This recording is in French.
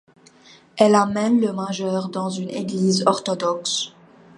Elle amène le major dans une église orthodoxe.